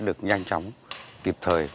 được nhanh chóng kịp thời